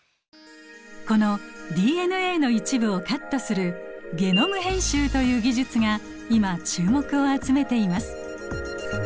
このＤＮＡの一部をカットするゲノム編集という技術が今注目を集めています。